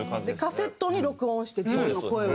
カセットに録音して自分の声を。